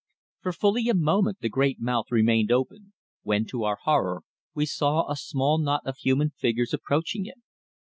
For fully a minute the great mouth remained open, when to our horror we saw a small knot of human figures approaching it.